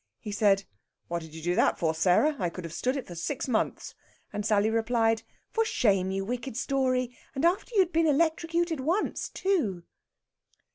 He said, "What did you do that for, Sarah? I could have stood it for six months." And Sally replied: "For shame, you wicked story! And after you'd been electrocuted once, too!"